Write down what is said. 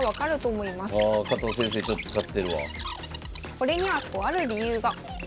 これにはとある理由が。